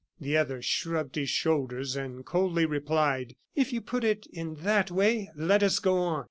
The other shrugged his shoulders, and coldly replied: "If you put it in that way, let us go on."